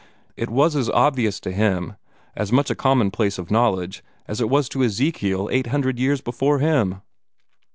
It was as obvious to him as much a commonplace of knowledge as it was to Ezekiel eight hundred years before him."